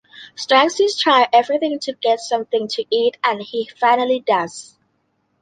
Stracci tries everything to get something to eat and he finally does.